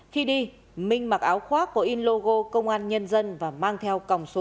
khi đi minh mặc áo khoác có in logo công an nhân dân và mang theo còng số tám